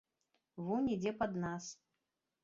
Вунь ідзе пад нас.